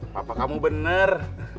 papa kamu bener